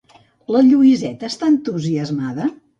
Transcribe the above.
La Lluïseta està entusiasmada?